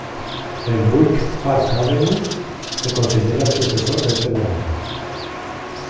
El Buick Park Avenue se considera el sucesor de este modelo.